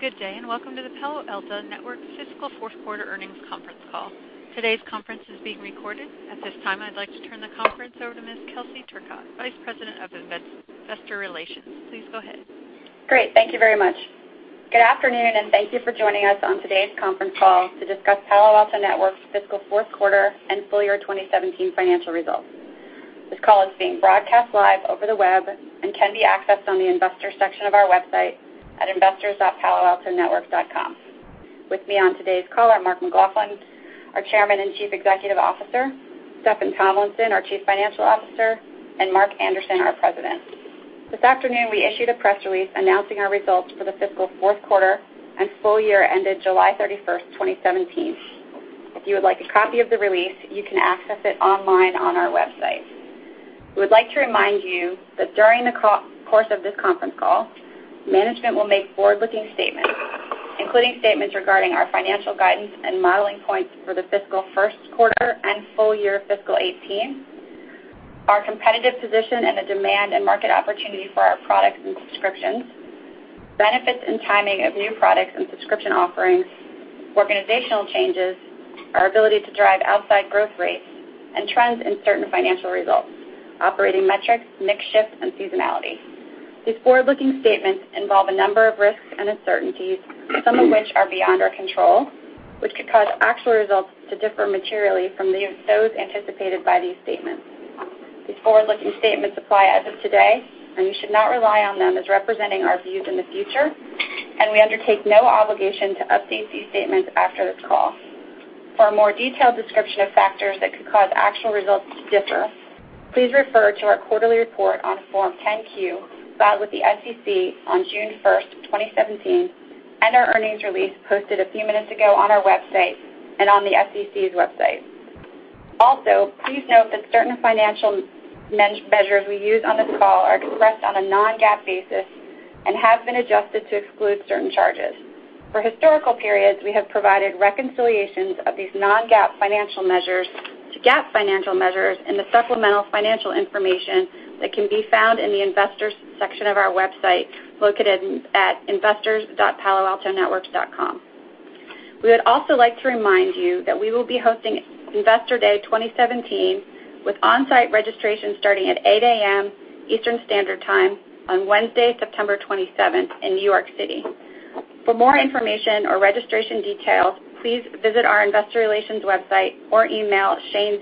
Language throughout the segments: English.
Good day, welcome to the Palo Alto Networks' fiscal fourth quarter earnings conference call. Today's conference is being recorded. At this time, I'd like to turn the conference over to Ms. Kelsey Turcotte, Vice President of Investor Relations. Please go ahead. Great. Thank you very much. Good afternoon, thank you for joining us on today's conference call to discuss Palo Alto Networks' fiscal fourth quarter and full year 2017 financial results. This call is being broadcast live over the web and can be accessed on the investor section of our website at investors.paloaltonetworks.com. With me on today's call are Mark McLaughlin, our Chairman and Chief Executive Officer, Steffan Tomlinson, our Chief Financial Officer, and Mark Anderson, our President. This afternoon, we issued a press release announcing our results for the fiscal fourth quarter and full year ended July 31st, 2017. If you would like a copy of the release, you can access it online on our website. We would like to remind you that during the course of this conference call, management will make forward-looking statements, including statements regarding our financial guidance and modeling points for the fiscal first quarter and full year fiscal 2018, our competitive position and the demand and market opportunity for our products and subscriptions, benefits and timing of new products and subscription offerings, organizational changes, our ability to drive outsized growth rates, and trends in certain financial results, operating metrics, mix shift, and seasonality. These forward-looking statements involve a number of risks and uncertainties, some of which are beyond our control, which could cause actual results to differ materially from those anticipated by these statements. These forward-looking statements apply as of today, you should not rely on them as representing our views in the future, we undertake no obligation to update these statements after this call. For a more detailed description of factors that could cause actual results to differ, please refer to our quarterly report on Form 10-Q filed with the SEC on June 1st, 2017, our earnings release posted a few minutes ago on our website and on the SEC's website. Also, please note that certain financial measures we use on this call are expressed on a non-GAAP basis and have been adjusted to exclude certain charges. For historical periods, we have provided reconciliations of these non-GAAP financial measures to GAAP financial measures in the supplemental financial information that can be found in the investors section of our website, located at investors.paloaltonetworks.com. We would also like to remind you that we will be hosting Investor Day 2017 with on-site registration starting at 8:00 A.M. Eastern Standard Time on Wednesday, September 27th, in New York City. For more information or registration details, please visit our investor relations website or email Shane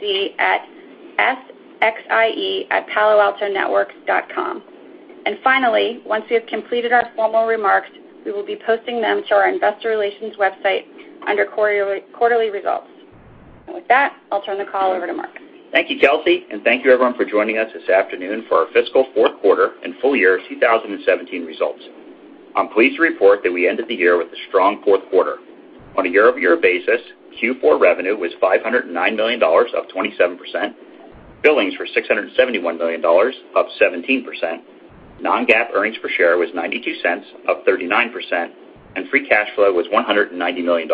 Xie at sxie@paloaltonetworks.com. Finally, once we have completed our formal remarks, we will be posting them to our investor relations website under quarterly results. With that, I'll turn the call over to Mark. Thank you, Kelsey, and thank you everyone for joining us this afternoon for our fiscal fourth quarter and full year 2017 results. I'm pleased to report that we ended the year with a strong fourth quarter. On a year-over-year basis, Q4 revenue was $509 million, up 27%. Billings were $671 million, up 17%. Non-GAAP earnings per share was $0.92, up 39%, and free cash flow was $190 million.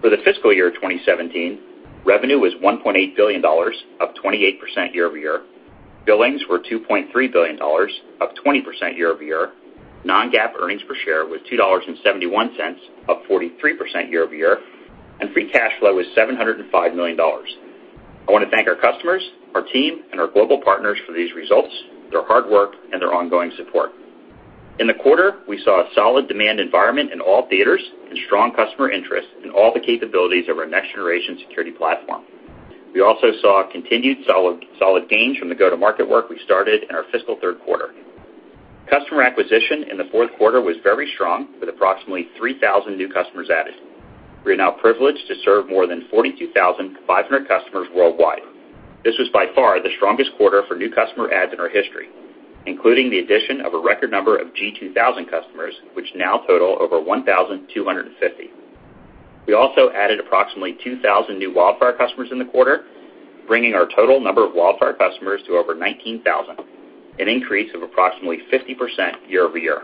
For the fiscal year 2017, revenue was $1.8 billion, up 28% year-over-year. Billings were $2.3 billion, up 20% year-over-year. Non-GAAP earnings per share was $2.71, up 43% year-over-year, and free cash flow was $705 million. I want to thank our customers, our team, and our global partners for these results, their hard work, and their ongoing support. In the quarter, we saw a solid demand environment in all theaters and strong customer interest in all the capabilities of our next-generation security platform. We also saw continued solid gains from the go-to-market work we started in our fiscal third quarter. Customer acquisition in the fourth quarter was very strong with approximately 3,000 new customers added. We are now privileged to serve more than 42,500 customers worldwide. This was by far the strongest quarter for new customer adds in our history, including the addition of a record number of G2000 customers, which now total over 1,250. We also added approximately 2,000 new WildFire customers in the quarter, bringing our total number of WildFire customers to over 19,000, an increase of approximately 50% year-over-year.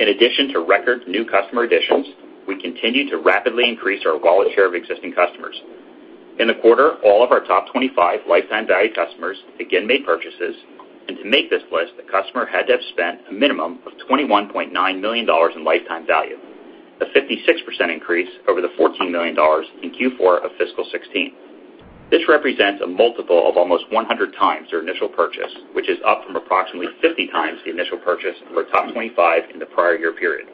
In addition to record new customer additions, we continue to rapidly increase our wallet share of existing customers. In the quarter, all of our top 25 lifetime value customers again made purchases. To make this list, the customer had to have spent a minimum of $21.9 million in lifetime value, a 56% increase over the $14 million in Q4 of fiscal 2016. This represents a multiple of almost 100 times their initial purchase, which is up from approximately 50 times the initial purchase of our top 25 in the prior year period.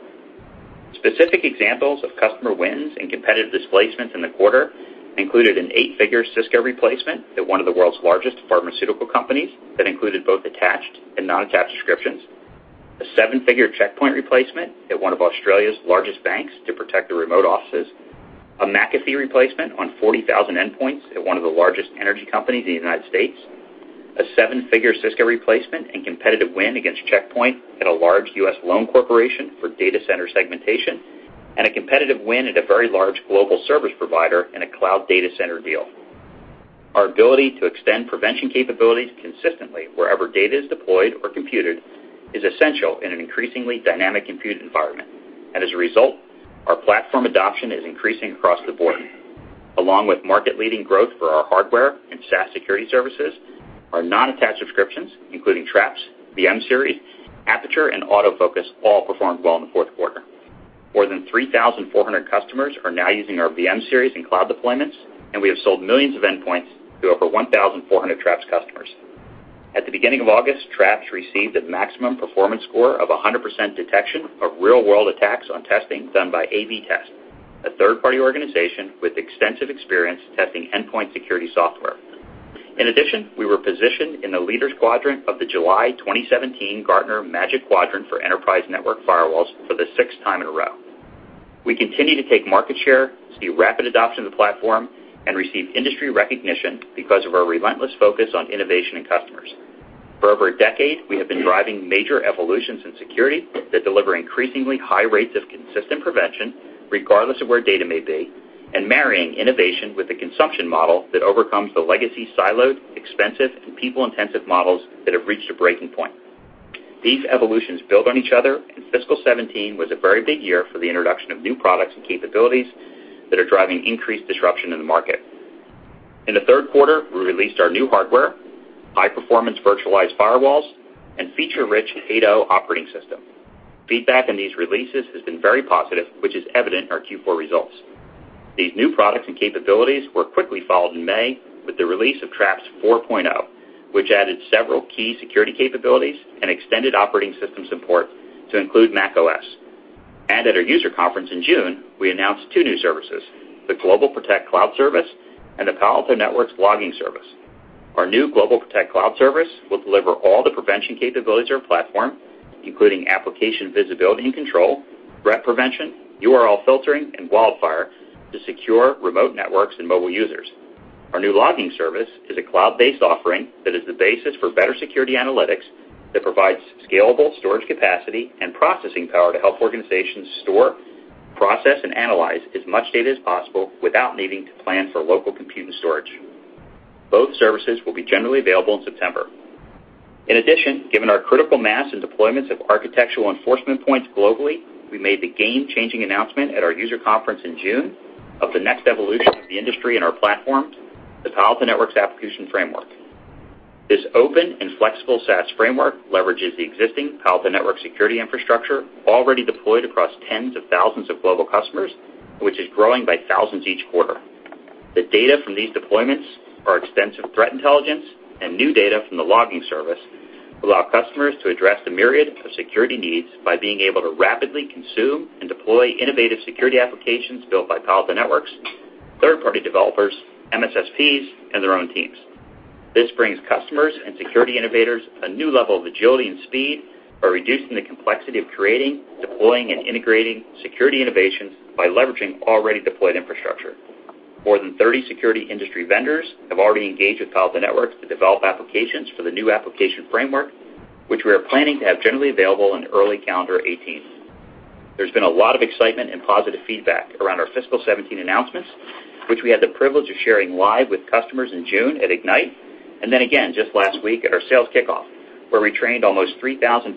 Specific examples of customer wins and competitive displacements in the quarter included an eight-figure Cisco replacement at one of the world's largest pharmaceutical companies that included both attached and non-attached subscriptions, a seven-figure Check Point replacement at one of Australia's largest banks to protect their remote offices, a McAfee replacement on 40,000 endpoints at one of the largest energy companies in the U.S., a seven-figure Cisco replacement and competitive win against Check Point at a large U.S. loan corporation for data center segmentation, and a competitive win at a very large global service provider in a cloud data center deal. Our ability to extend prevention capabilities consistently wherever data is deployed or computed is essential in an increasingly dynamic compute environment. As a result, our platform adoption is increasing across the board. Along with market-leading growth for our hardware and SaaS security services, our non-attached subscriptions, including Traps, VM-Series, Aperture, and AutoFocus, all performed well in the fourth quarter. More than 3,400 customers are now using our VM-Series and cloud deployments, and we have sold millions of endpoints to over 1,400 Traps customers. At the beginning of August, Traps received a maximum performance score of 100% detection of real-world attacks on testing done by AV-TEST, a third-party organization with extensive experience testing endpoint security software. In addition, we were positioned in the leaders quadrant of the July 2017 Gartner Magic Quadrant for enterprise network firewalls for the sixth time in a row. We continue to take market share, see rapid adoption of the platform, and receive industry recognition because of our relentless focus on innovation and customers. For over a decade, we have been driving major evolutions in security that deliver increasingly high rates of consistent prevention regardless of where data may be, marrying innovation with the consumption model that overcomes the legacy, siloed, expensive, and people-intensive models that have reached a breaking point. These evolutions build on each other. Fiscal 2017 was a very big year for the introduction of new products and capabilities that are driving increased disruption in the market. In the third quarter, we released our new hardware, high-performance virtualized firewalls, and feature-rich 8.0 operating system. Feedback on these releases has been very positive, which is evident in our Q4 results. These new products and capabilities were quickly followed in May with the release of Traps 4.0, which added several key security capabilities and extended operating system support to include macOS. At our user conference in June, we announced two new services, the GlobalProtect cloud service and the Palo Alto Networks logging service. Our new GlobalProtect cloud service will deliver all the prevention capabilities of our platform, including application visibility and control, threat prevention, URL filtering, and WildFire to secure remote networks and mobile users. Our new logging service is a cloud-based offering that is the basis for better security analytics that provides scalable storage capacity and processing power to help organizations store, process, and analyze as much data as possible without needing to plan for local compute and storage. Both services will be generally available in September. In addition, given our critical mass and deployments of architectural enforcement points globally, we made the game-changing announcement at our user conference in June of the next evolution of the industry and our platform, the Palo Alto Networks application framework. This open and flexible SaaS framework leverages the existing Palo Alto Networks security infrastructure already deployed across tens of thousands of global customers, which is growing by thousands each quarter. The data from these deployments, our extensive threat intelligence, and new data from the logging service allow customers to address the myriad of security needs by being able to rapidly consume and deploy innovative security applications built by Palo Alto Networks, third-party developers, MSSPs, and their own teams. This brings customers and security innovators a new level of agility and speed by reducing the complexity of creating, deploying, and integrating security innovations by leveraging already deployed infrastructure. More than 30 security industry vendors have already engaged with Palo Alto Networks to develop applications for the new application framework, which we are planning to have generally available in early calendar 2018. There's been a lot of excitement and positive feedback around our fiscal 2017 announcements, which we had the privilege of sharing live with customers in June at Ignite, and then again just last week at our sales kickoff, where we trained almost 3,500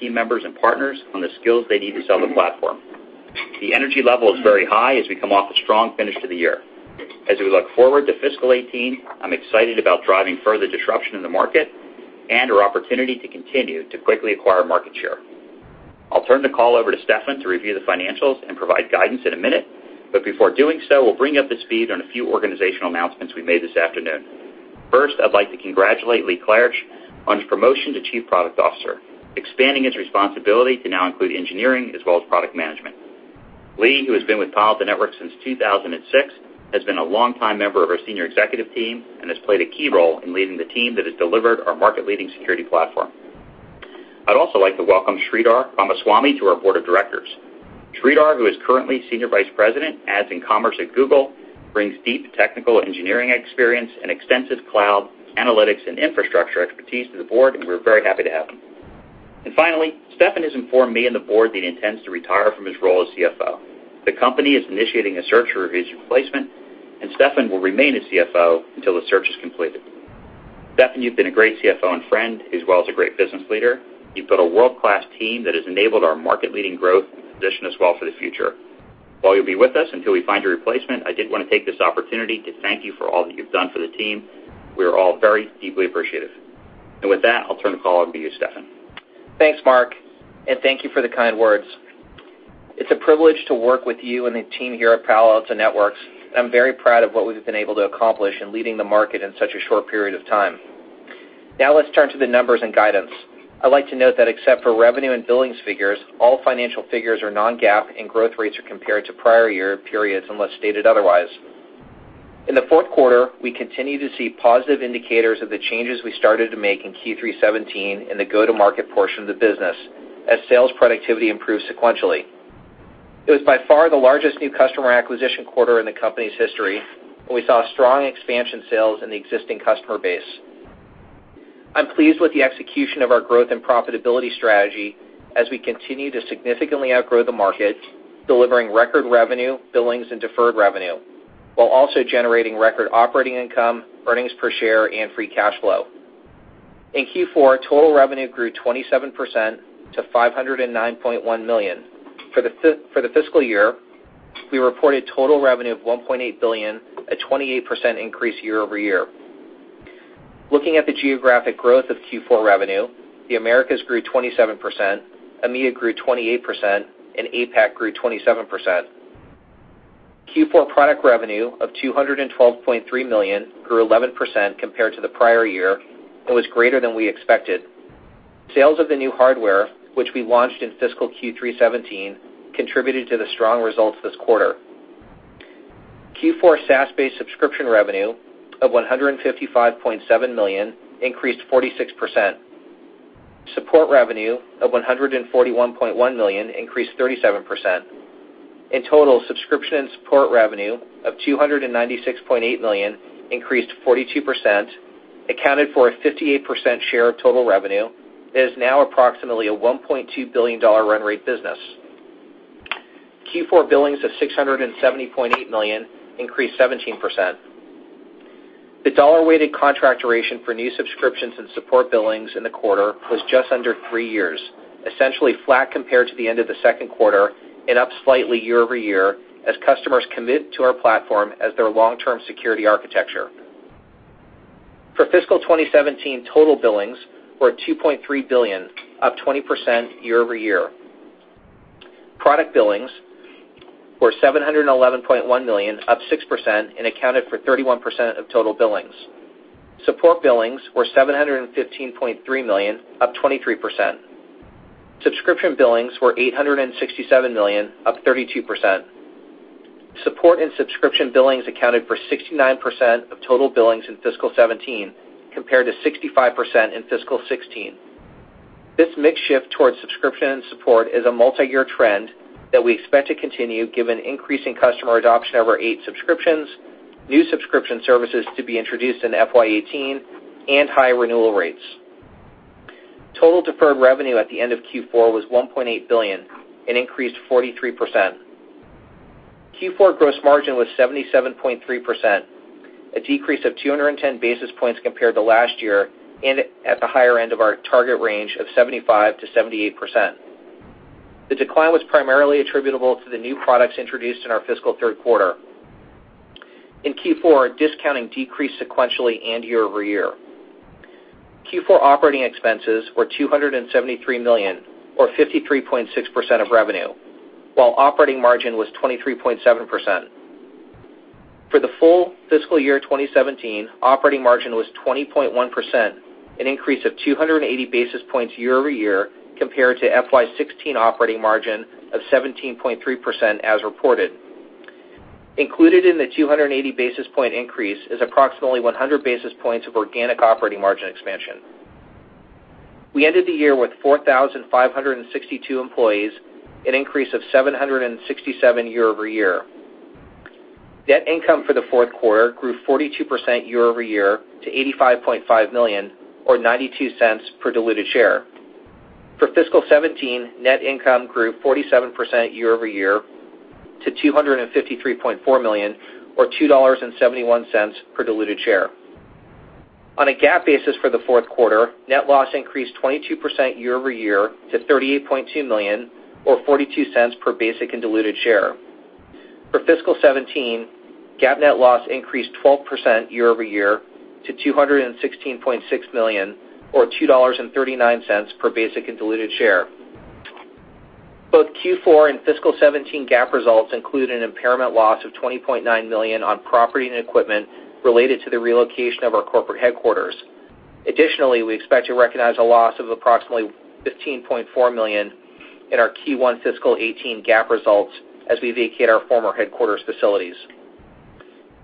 team members and partners on the skills they need to sell the platform. The energy level is very high as we come off a strong finish to the year. As we look forward to fiscal 2018, I'm excited about driving further disruption in the market and our opportunity to continue to quickly acquire market share. I'll turn the call over to Steffan to review the financials and provide guidance in a minute. Before doing so, we'll bring you up to speed on a few organizational announcements we made this afternoon. First, I'd like to congratulate Lee Klarich on his promotion to Chief Product Officer, expanding his responsibility to now include engineering as well as product management. Lee, who has been with Palo Alto Networks since 2006, has been a longtime member of our senior executive team and has played a key role in leading the team that has delivered our market-leading security platform. I'd also like to welcome Sridhar Ramaswamy to our Board of Directors. Sridhar, who is currently Senior Vice President, Ads and Commerce at Google, brings deep technical engineering experience and extensive cloud, analytics, and infrastructure expertise to the board, and we're very happy to have him. Finally, Steffan has informed me and the board that he intends to retire from his role as CFO. The company is initiating a search for his replacement, and Steffan will remain as CFO until the search is completed. Steffan, you've been a great CFO and friend, as well as a great business leader. You've built a world-class team that has enabled our market-leading growth and positioned us well for the future. While you'll be with us until we find your replacement, I did want to take this opportunity to thank you for all that you've done for the team. We are all very deeply appreciative. With that, I'll turn the call over to you, Steffan. Thanks, Mark, and thank you for the kind words. It's a privilege to work with you and the team here at Palo Alto Networks. I'm very proud of what we've been able to accomplish in leading the market in such a short period of time. Now let's turn to the numbers and guidance. I'd like to note that except for revenue and billings figures, all financial figures are non-GAAP, and growth rates are compared to prior year periods unless stated otherwise. In the fourth quarter, we continued to see positive indicators of the changes we started to make in Q3 2017 in the go-to-market portion of the business as sales productivity improved sequentially. It was by far the largest new customer acquisition quarter in the company's history, and we saw strong expansion sales in the existing customer base. I'm pleased with the execution of our growth and profitability strategy as we continue to significantly outgrow the market, delivering record revenue, billings, and deferred revenue, while also generating record operating income, earnings per share, and free cash flow. In Q4, total revenue grew 27% to $509.1 million. For the fiscal year, we reported total revenue of $1.8 billion, a 28% increase year-over-year. Looking at the geographic growth of Q4 revenue, the Americas grew 27%, EMEA grew 28%, and APAC grew 27%. Q4 product revenue of $212.3 million grew 11% compared to the prior year and was greater than we expected. Sales of the new hardware, which we launched in fiscal Q3 2017, contributed to the strong results this quarter. Q4 SaaS-based subscription revenue of $155.7 million increased 46%. Support revenue of $141.1 million increased 37%. Subscription and support revenue of $296.8 million increased 42%, accounted for a 58% share of total revenue. It is now approximately a $1.2 billion run rate business. Q4 billings of $670.8 million increased 17%. The dollar-weighted contract duration for new subscriptions and support billings in the quarter was just under three years, essentially flat compared to the end of the second quarter and up slightly year-over-year as customers commit to our platform as their long-term security architecture. For fiscal 2017, total billings were $2.3 billion, up 20% year-over-year. Product billings were $711.1 million, up 6%, and accounted for 31% of total billings. Support billings were $715.3 million, up 23%. Subscription billings were $867 million, up 32%. Support and subscription billings accounted for 69% of total billings in fiscal 2017, compared to 65% in fiscal 2016. This mix shift towards subscription and support is a multi-year trend that we expect to continue given increasing customer adoption of our eight subscriptions, new subscription services to be introduced in FY 2018, and high renewal rates. Total deferred revenue at the end of Q4 was $1.8 billion and increased 43%. Q4 gross margin was 77.3%, a decrease of 210 basis points compared to last year and at the higher end of our target range of 75%-78%. The decline was primarily attributable to the new products introduced in our fiscal third quarter. Q4 discounting decreased sequentially and year-over-year. Q4 operating expenses were $273 million or 53.6% of revenue, while operating margin was 23.7%. For the full fiscal year 2017, operating margin was 20.1%, an increase of 280 basis points year-over-year compared to FY 2016 operating margin of 17.3% as reported. Included in the 280 basis point increase is approximately 100 basis points of organic operating margin expansion. We ended the year with 4,562 employees, an increase of 767 year-over-year. Net income for the fourth quarter grew 42% year-over-year to $85.5 million or $0.92 per diluted share. For fiscal 2017, net income grew 47% year-over-year to $253.4 million or $2.71 per diluted share. On a GAAP basis for the fourth quarter, net loss increased 22% year-over-year to $38.2 million or $0.42 per basic and diluted share. For fiscal 2017, GAAP net loss increased 12% year-over-year to $216.6 million or $2.39 per basic and diluted share. Both Q4 and fiscal 2017 GAAP results include an impairment loss of $20.9 million on property and equipment related to the relocation of our corporate headquarters. Additionally, we expect to recognize a loss of approximately $15.4 million in our Q1 fiscal 2018 GAAP results as we vacate our former headquarters facilities.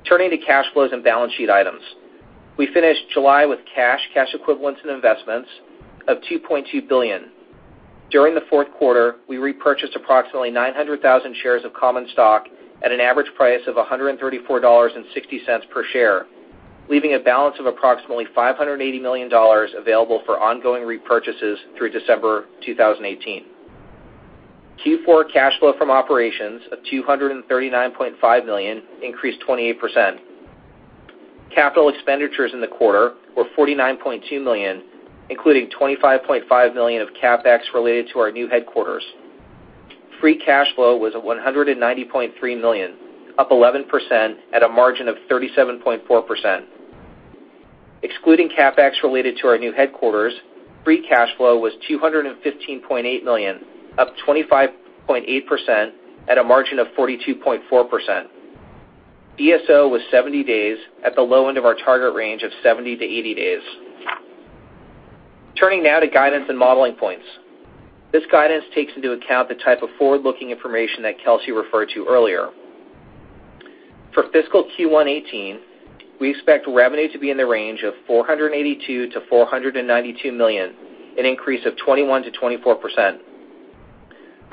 Turning to cash flows and balance sheet items. We finished July with cash equivalents, and investments of $2.2 billion. During the fourth quarter, we repurchased approximately 900,000 shares of common stock at an average price of $134.60 per share, leaving a balance of approximately $580 million available for ongoing repurchases through December 2018. Q4 cash flow from operations of $239.5 million increased 28%. Capital expenditures in the quarter were $49.2 million, including $25.5 million of CapEx related to our new headquarters. Free cash flow was $190.3 million, up 11% at a margin of 37.4%. Excluding CapEx related to our new headquarters, free cash flow was $215.8 million, up 25.8% at a margin of 42.4%. DSO was 70 days at the low end of our target range of 70-80 days. Turning now to guidance and modeling points. This guidance takes into account the type of forward-looking information that Kelsey referred to earlier. For fiscal Q1 2018, we expect revenue to be in the range of $482 million-$492 million, an increase of 21%-24%.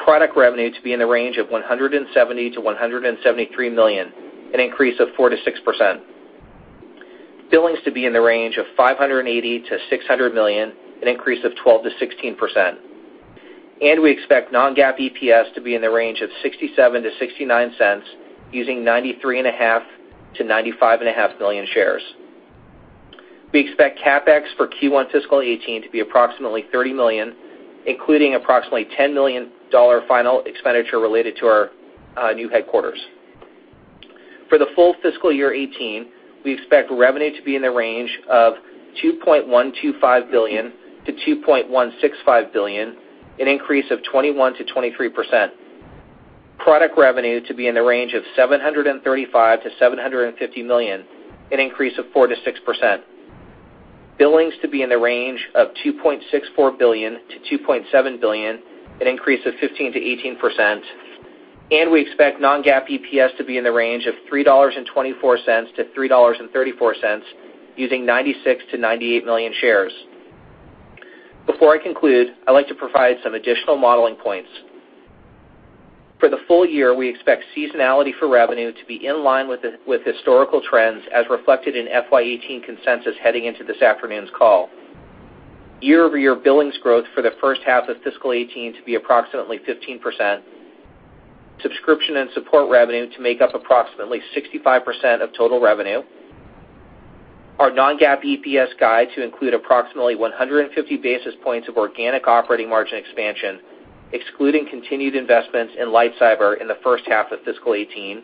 Product revenue to be in the range of $170 million-$173 million, an increase of 4%-6%. Billings to be in the range of $580 million-$600 million, an increase of 12%-16%. We expect non-GAAP EPS to be in the range of $0.67-$0.69, using 93.5 million-95.5 million shares. We expect CapEx for Q1 fiscal 2018 to be approximately $30 million, including approximately $10 million final expenditure related to our new headquarters. For the full fiscal year 2018, we expect revenue to be in the range of $2.125 billion-$2.165 billion, an increase of 21%-23%. Product revenue to be in the range of $735 million-$750 million, an increase of 4%-6%. Billings to be in the range of $2.64 billion-$2.7 billion, an increase of 15%-18%. We expect non-GAAP EPS to be in the range of $3.24-$3.34, using 96 million-98 million shares. Before I conclude, I'd like to provide some additional modeling points. For the full year, we expect seasonality for revenue to be in line with historical trends as reflected in FY 2018 consensus heading into this afternoon's call. Year-over-year billings growth for the first half of fiscal 2018 to be approximately 15%. Subscription and support revenue to make up approximately 65% of total revenue. Our non-GAAP EPS guide to include approximately 150 basis points of organic operating margin expansion, excluding continued investments in LightCyber in the first half of fiscal 2018.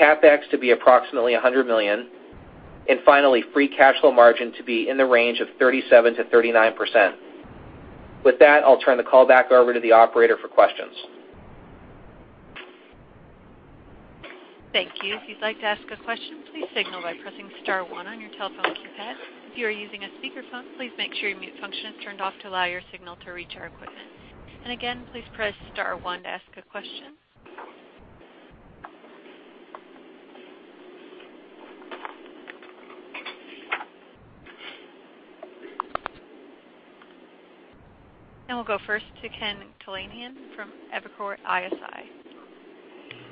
CapEx to be approximately $100 million. Finally, free cash flow margin to be in the range of 37%-39%. With that, I'll turn the call back over to the operator for questions. Thank you. If you'd like to ask a question, please signal by pressing star one on your telephone keypad. If you are using a speakerphone, please make sure your mute function is turned off to allow your signal to reach our equipment. Again, please press star one to ask a question. We'll go first to Ken Talanian from Evercore ISI.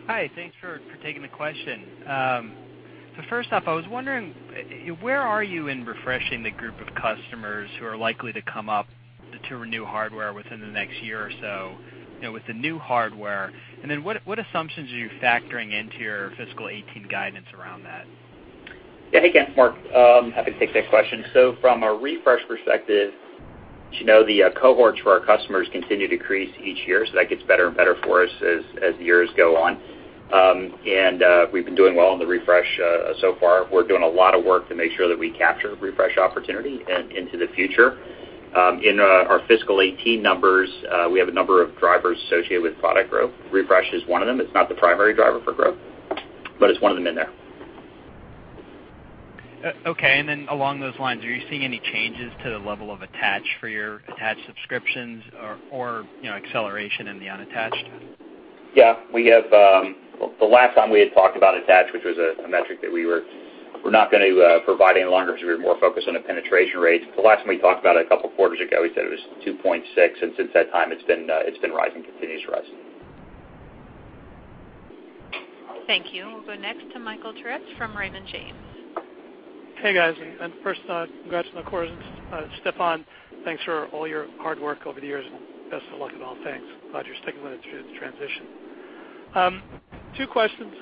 Hi. Thanks for taking the question. First off, I was wondering, where are you in refreshing the group of customers who are likely to come up to renew hardware within the next year or so with the new hardware? What assumptions are you factoring into your fiscal 2018 guidance around that? Yeah. Hey, Ken. Mark. Happy to take that question. From a refresh perspective, as you know, the cohorts for our customers continue to decrease each year, so that gets better and better for us as the years go on. We've been doing well on the refresh so far. We're doing a lot of work to make sure that we capture refresh opportunity and into the future. In our fiscal 2018 numbers, we have a number of drivers associated with product growth. Refresh is one of them. It's not the primary driver for growth, but it's one of them in there. Okay. Then along those lines, are you seeing any changes to the level of attach for your attached subscriptions or acceleration in the unattached? Yeah. The last time we had talked about attach, which was a metric that we're not going to provide any longer because we were more focused on the penetration rates. The last time we talked about it a couple of quarters ago, we said it was 2.6, and since that time, it's been rising continuously for us. Thank you. We'll go next to Michael Turits from Raymond James. Hey, guys. First, congrats on the quarters. Steffan, thanks for all your hard work over the years, and best of luck in all things. Glad you're sticking with it through the transition. 2 questions.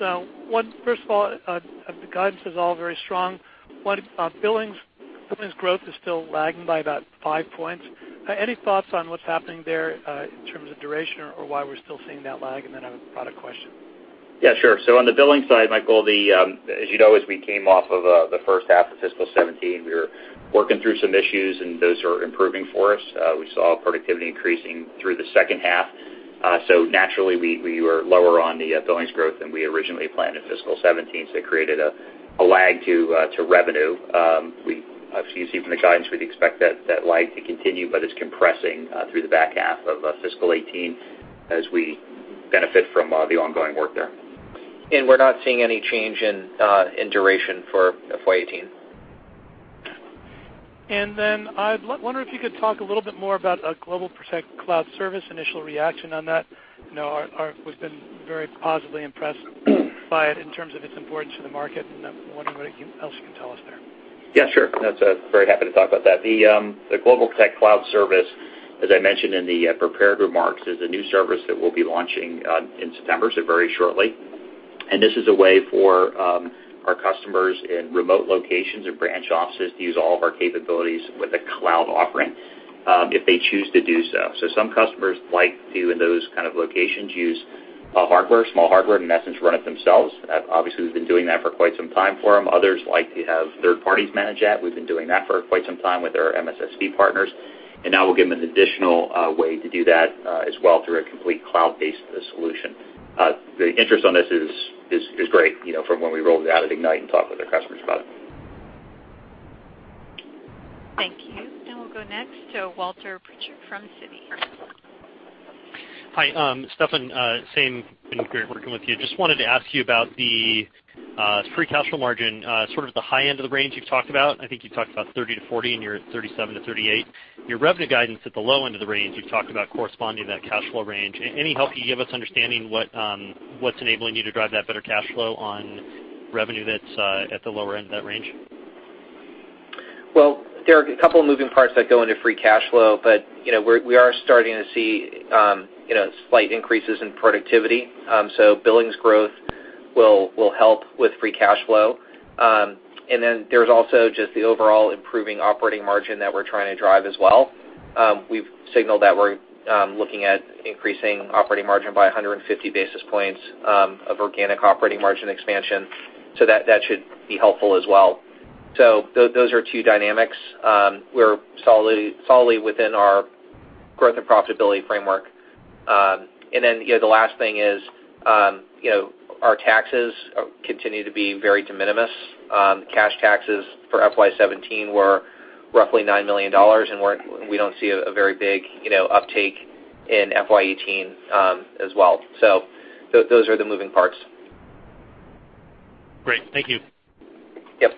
First of all, the guidance is all very strong. One, billings growth is still lagging by about 5 points. Any thoughts on what's happening there in terms of duration or why we're still seeing that lag? Then I have a product question. On the billing side, Michael, as you know, as we came off of the first half of fiscal 2017, we were working through some issues. Those are improving for us. We saw productivity increasing through the second half. Naturally, we were lower on the billings growth than we originally planned in fiscal 2017. It created a lag to revenue. As you see from the guidance, we would expect that lag to continue, but it is compressing through the back half of fiscal 2018 as we benefit from the ongoing work there. We are not seeing any change in duration for FY 2018. I wonder if you could talk a little bit more about GlobalProtect Cloud Service, initial reaction on that. We have been very positively impressed by it in terms of its importance to the market. I am wondering what else you can tell us there. Yeah, sure. Very happy to talk about that. The GlobalProtect Cloud Service, as I mentioned in the prepared remarks, is a new service that we will be launching in September, very shortly. This is a way for our customers in remote locations or branch offices to use all of our capabilities with a cloud offering if they choose to do so. Some customers like to, in those kind of locations, use small hardware and in essence run it themselves. Obviously, we have been doing that for quite some time for them. Others like to have third parties manage that. We have been doing that for quite some time with our MSSP partners. Now we will give them an additional way to do that as well through a complete cloud-based solution. The interest on this is great from when we rolled it out at Ignite and talked with our customers about it. Thank you. We'll go next to Walter Pritchard from Citi. Hi, Steffan. Same, been great working with you. Just wanted to ask you about the free cash flow margin, sort of the high end of the range you've talked about. I think you talked about 30%-40%, and you're at 37%-38%. Your revenue guidance at the low end of the range, you've talked about corresponding to that cash flow range. Any help you can give us understanding what's enabling you to drive that better cash flow on revenue that's at the lower end of that range? Well, there are a couple of moving parts that go into free cash flow, but we are starting to see slight increases in productivity. Billings growth will help with free cash flow. There's also just the overall improving operating margin that we're trying to drive as well. We've signaled that we're looking at increasing operating margin by 150 basis points of organic operating margin expansion. That should be helpful as well. Those are two dynamics. We're solidly within our growth and profitability framework. The last thing is, our taxes continue to be very de minimis. Cash taxes for FY 2017 were roughly $9 million, and we don't see a very big uptake in FY 2018 as well. Those are the moving parts. Great. Thank you. Yep.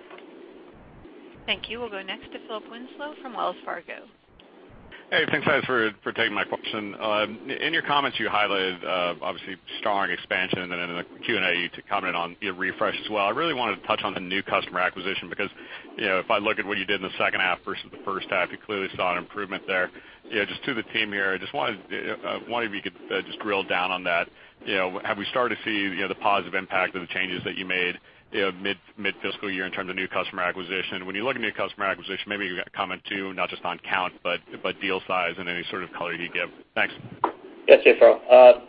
Thank you. We'll go next to Philip Winslow from Wells Fargo. Hey, thanks for taking my question. In your comments you highlighted, obviously strong expansion, and then in the Q&A, you commented on your refresh as well. I really wanted to touch on the new customer acquisition because, if I look at what you did in the second half versus the first half, you clearly saw an improvement there. Just to the team here, I just wondered if you could just drill down on that. Have we started to see the positive impact of the changes that you made mid-fiscal year in terms of new customer acquisition? When you look at new customer acquisition, maybe you could comment too, not just on count, but deal size and any sort of color you'd give. Thanks. Yeah, sure,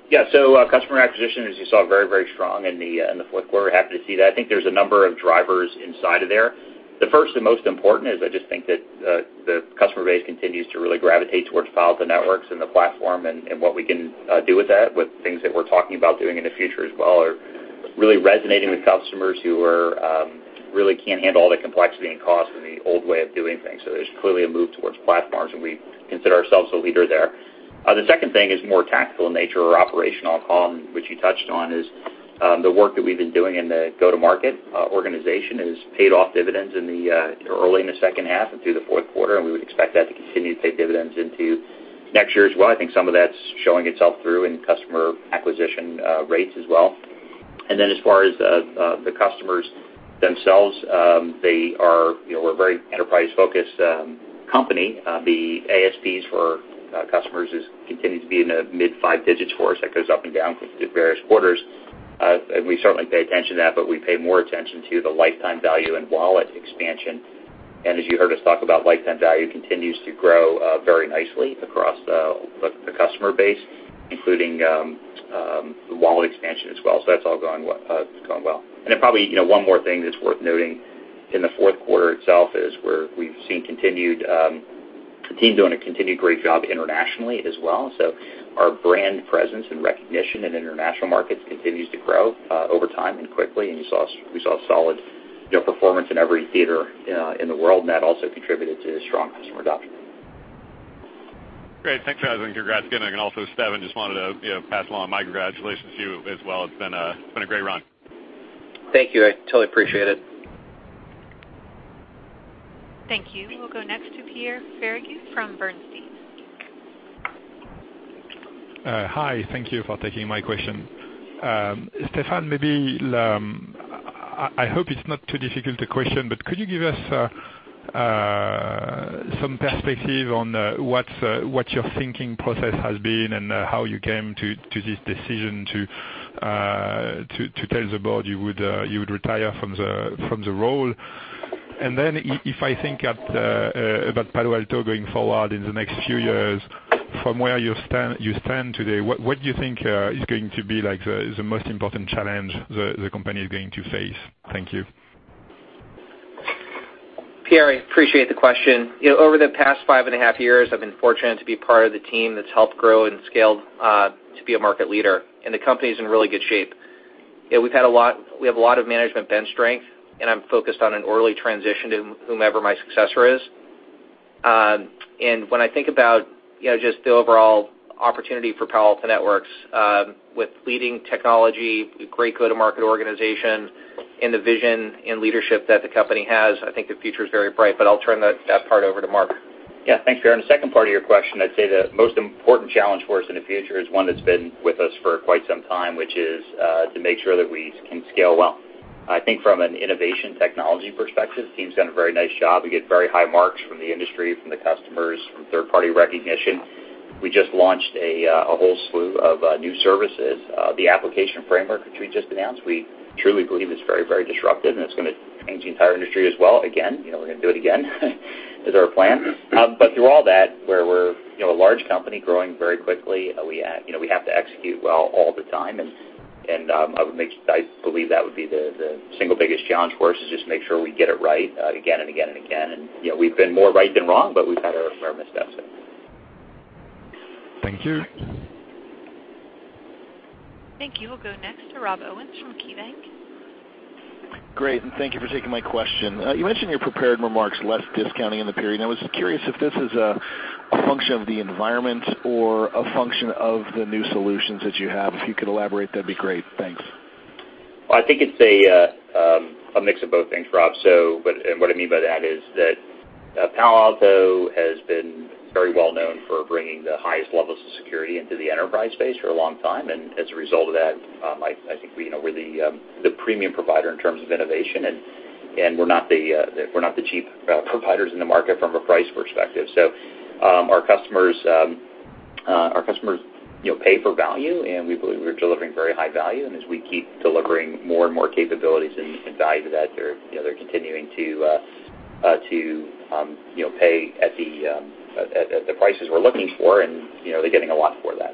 Phil. Customer acquisition, as you saw, very, very strong in the fourth quarter. Happy to see that. I think there's a number of drivers inside of there. The first and most important is I just think that the customer base continues to really gravitate towards Palo Alto Networks and the platform and what we can do with that, with things that we're talking about doing in the future as well, are really resonating with customers who really can't handle all the complexity and cost in the old way of doing things. There's clearly a move towards platforms, and we consider ourselves the leader there. The second thing is more tactical in nature or operational, Phil, which you touched on, is the work that we've been doing in the go-to-market organization has paid off dividends early in the second half and through the fourth quarter, and we would expect that to continue to pay dividends into next year as well. I think some of that's showing itself through in customer acquisition rates as well. As far as the customers themselves, we're a very enterprise-focused company. The ASPs for our customers continues to be in the mid-five digits for us. That goes up and down through various quarters. We certainly pay attention to that, but we pay more attention to the lifetime value and wallet expansion. As you heard us talk about, lifetime value continues to grow very nicely across the customer base, including wallet expansion as well. That's all going well. Then probably, one more thing that's worth noting in the fourth quarter itself is we've seen the team doing a continued great job internationally as well. Our brand presence and recognition in international markets continues to grow over time and quickly, and we saw solid performance in every theater in the world, and that also contributed to strong customer adoption. Great. Thanks, guys, and congrats again. Also, Steffan, just wanted to pass along my congratulations to you as well. It's been a great run. Thank you. I totally appreciate it. Thank you. We'll go next to Pierre Ferragu from Bernstein. Hi. Thank you for taking my question. Steffan, I hope it's not too difficult a question, but could you give us some perspective on what your thinking process has been and how you came to this decision to tell the board you would retire from the role? Then if I think about Palo Alto Networks going forward in the next few years, from where you stand today, what do you think is going to be the most important challenge the company is going to face? Thank you. Pierre, appreciate the question. Over the past five and a half years, I've been fortunate to be part of the team that's helped grow and scale to be a market leader. The company's in really good shape. We have a lot of management bench strength. I'm focused on an orderly transition to whomever my successor is. When I think about just the overall opportunity for Palo Alto Networks, with leading technology, a great go-to-market organization, and the vision and leadership that the company has, I think the future's very bright. I'll turn that part over to Mark. Yeah. Thanks, Pierre. On the second part of your question, I'd say the most important challenge for us in the future is one that's been with us for quite some time, which is to make sure that we can scale well. I think from an innovation technology perspective, the team's done a very nice job. We get very high marks from the industry, from the customers, from third-party recognition. We just launched a whole slew of new services. The application framework, which we just announced, we truly believe is very, very disruptive. It's going to change the entire industry as well, again. We're going to do it again, is our plan. Through all that, where we're a large company growing very quickly, we have to execute well all the time. I believe that would be the single biggest challenge for us is just to make sure we get it right again and again and again. We've been more right than wrong, we've had our missteps there. Thank you. Thank you. We'll go next to Rob Owens from KeyBanc. Great. Thank you for taking my question. You mentioned in your prepared remarks, less discounting in the period, and I was just curious if this is a function of the environment or a function of the new solutions that you have. If you could elaborate, that'd be great. Thanks. Well, I think it's a mix of both things, Rob. What I mean by that is that Palo Alto has been very well known for bringing the highest levels of security into the enterprise space for a long time, and as a result of that, I think we're the premium provider in terms of innovation and we're not the cheap providers in the market from a price perspective. Our customers pay for value, and we believe we're delivering very high value, and as we keep delivering more and more capabilities and value to that, they're continuing to pay at the prices we're looking for and they're getting a lot for that.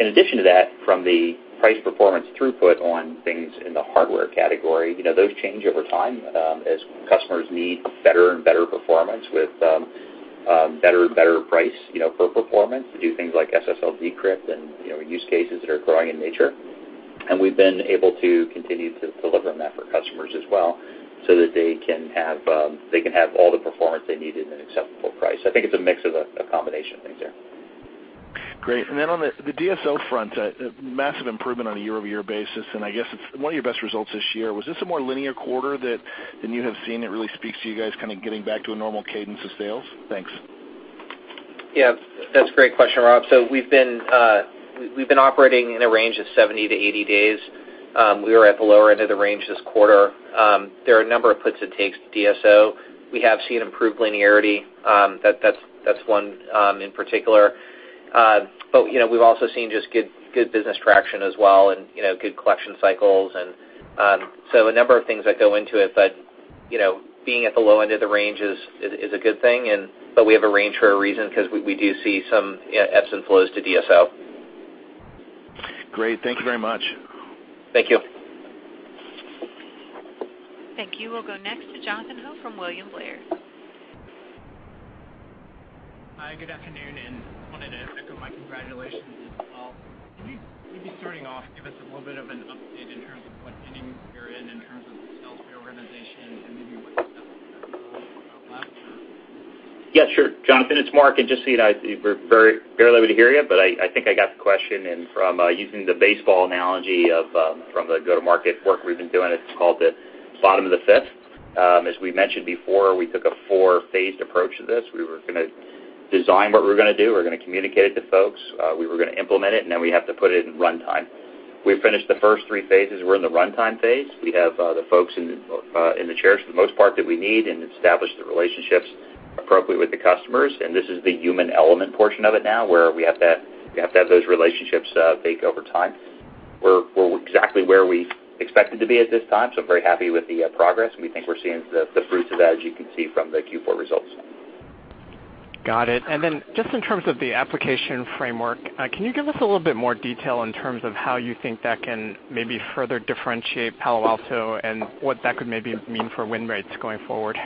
In addition to that, from the price performance throughput on things in the hardware category, those change over time as customers need better and better performance with better and better price per performance to do things like SSL decrypt and use cases that are growing in nature. We've been able to continue to deliver on that for customers as well, so that they can have all the performance they need at an acceptable price. I think it's a mix of a combination of things there. Great. On the DSO front, a massive improvement on a year-over-year basis, I guess it's one of your best results this year. Was this a more linear quarter than you have seen that really speaks to you guys getting back to a normal cadence of sales? Thanks. Yeah, that's a great question, Rob. We've been operating in a range of 70 to 80 days. We were at the lower end of the range this quarter. There are a number of puts it takes DSO. We have seen improved linearity. That's one in particular. We've also seen just good business traction as well and good collection cycles. A number of things that go into it, being at the low end of the range is a good thing, we have a range for a reason because we do see some ebbs and flows to DSO. Great. Thank you very much. Thank you. Thank you. We'll go next to Jonathan Ho from William Blair. Hi, good afternoon, and wanted to echo my congratulations as well. Can you, maybe starting off, give us a little bit of an update in terms of what inning you're in terms of the sales reorganization and maybe what steps you're going to roll out more about that? Yeah, sure. Jonathan, it's Mark, and just so you know, we're barely able to hear you, but I think I got the question. From using the baseball analogy from the go-to-market work we've been doing, it's called the bottom of the fifth. As we mentioned before, we took a four-phased approach to this. We were going to design what we were going to do, we're going to communicate it to folks, we were going to implement it, and then we have to put it in runtime. We finished the first three phases. We're in the runtime phase. We have the folks in the chairs for the most part that we need and established the relationships appropriately with the customers, and this is the human element portion of it now, where we have to have those relationships bake over time. We're exactly where we expected to be at this time, so I'm very happy with the progress, and we think we're seeing the fruits of that, as you can see from the Q4 results. Got it. Then just in terms of the application framework, can you give us a little bit more detail in terms of how you think that can maybe further differentiate Palo Alto and what that could maybe mean for win rates going forward?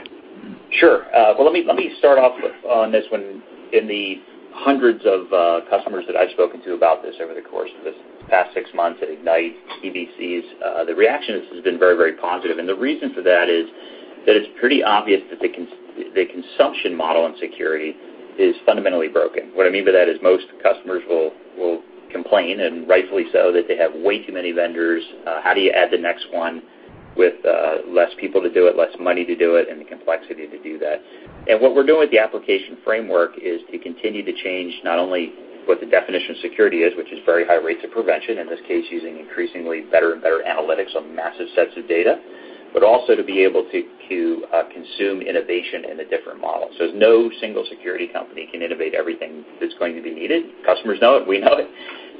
Sure. Well, let me start off on this one. In the hundreds of customers that I've spoken to about this over the course of this past six months at Ignite, CBCs, the reaction to this has been very positive, and the reason for that is that it's pretty obvious that the consumption model in security is fundamentally broken. What I mean by that is most customers will complain, and rightfully so, that they have way too many vendors. How do you add the next one with less people to do it, less money to do it, and the complexity to do that? What we're doing with the application framework is to continue to change not only what the definition of security is, which is very high rates of prevention, in this case, using increasingly better and better analytics on massive sets of data, but also to be able to consume innovation in a different model. As no single security company can innovate everything that's going to be needed, customers know it, we know it.